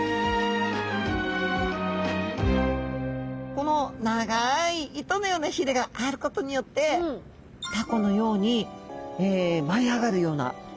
この長い糸のようなひれがあることによってたこのように舞い上がるような。